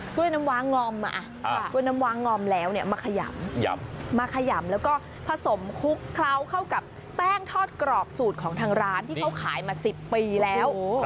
กล้วยน้ำวางอมมาแล้วมาขยำแล้วก็ผสมคลุกเคล้าวเข้ากับแป้งทอดกรอบสูตรของทางร้านที่เขาขายมา๑๐ปีแล้ว